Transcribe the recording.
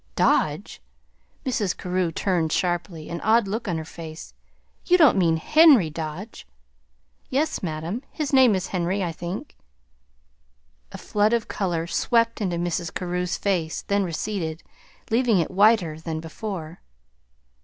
"Dodge!" Mrs. Carew turned sharply, an odd look on her face. "You don't mean Henry Dodge?" "Yes, madam. His name is Henry, I think." A flood of color swept into Mrs. Carew's face, then receded, leaving it whiter than before.